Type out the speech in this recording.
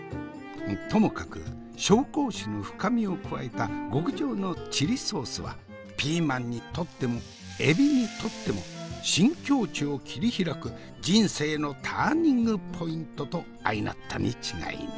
ともかく紹興酒の深みを加えた極上のチリソースはピーマンにとってもエビにとっても新境地を切り開く人生のターニングポイントと相成ったに違いない。